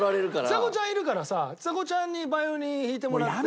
ちさ子ちゃんいるからさちさ子ちゃんにバイオリン弾いてもらってさ。